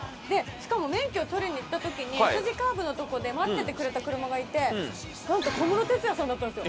しかも免許を取りにいった時にＳ字カーブのとこで待っててくれた車がいて何と小室哲哉さんだったんですよ